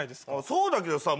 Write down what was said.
そうだけどさ。